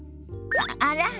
あら？